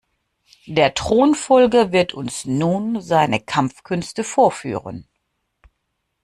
Der Thronfolger wird uns nun seine Kampfkünste vorführen.